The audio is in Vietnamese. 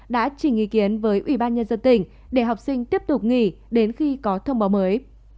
đã chỉnh ý kiến với ubnd tỉnh để học sinh tiếp tục nghỉ đến khi có thông báo mới